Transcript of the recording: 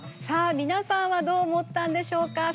さあみなさんはどう思ったんでしょうか？